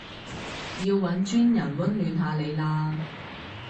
要搵專人溫暖下你嘞